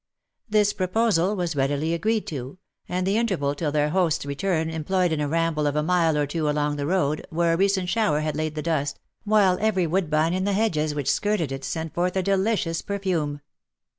This proposal was readily agreed to, and the interval till their host's return employed in a ramble of a mile or two along the road, where a recent shower had laid the dust, while every woodbine in the hedges which skirted it, sent forth a delicious perfume.